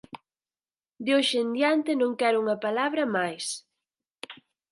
De hoxe en diante non quero unha palabra máis